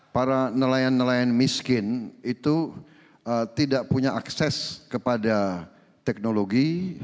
para nelayan nelayan miskin itu tidak punya akses kepada teknologi